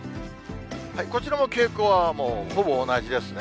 こちらも傾向は、もうほぼ同じですね。